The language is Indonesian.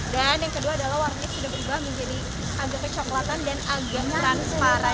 dan yang kedua adalah warnanya sudah berubah menjadi agaknya coklatan dan agak transparan